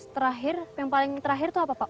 terakhir yang paling terakhir itu apa pak